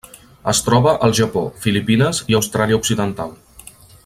Es troba al Japó, Filipines i Austràlia Occidental.